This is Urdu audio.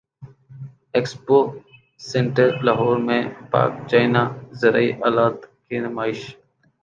ایکسپو سینٹر لاہور میں پاک چائنہ زرعی الات کی نمائش